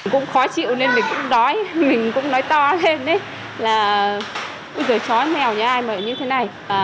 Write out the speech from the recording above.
cũng khó chịu nên mình cũng đói mình cũng nói to lên là bây giờ chó mèo như ai mà như thế này